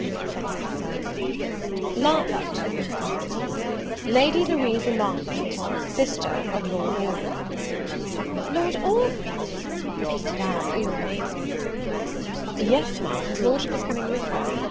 said Mrs. Selwyn. "Larpent," answered he: "Lady Louisa Larpent, sister of Lord Orville." "Lord Orville!" repeated I, all amazement. "Yes, Ma'am; his Lordship is coming with her.